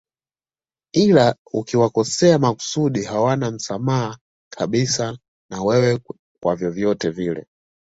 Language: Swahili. Ila ukiwakosea makusudi hawana msamaha kabisa na wewe kwa vyovyote vile